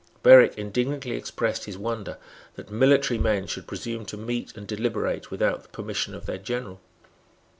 Berwick indignantly expressed his wonder that military men should presume to meet and deliberate without the permission of their general.